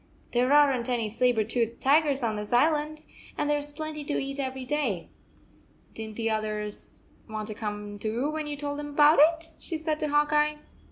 "There aren t any saber toothed tigers on this island, and there s plenty to eat every day. Did n t the others want to come too when you told them about it?" she said to Hawk Eye.